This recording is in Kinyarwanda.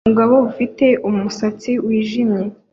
Umugabo ufite umusatsi wijimye